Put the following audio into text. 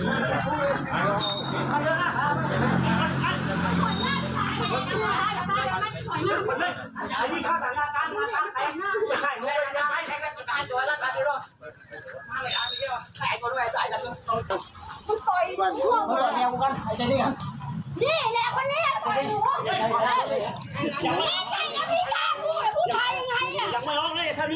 ไม่ใช่ไม่ใช่ไม่ใช่ไม่ใช่ไม่ใช่ไม่ใช่ไม่ใช่ไม่ใช่